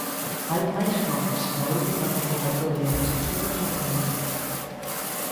Hai máis nomes na última convocatoria das axudas ao talento.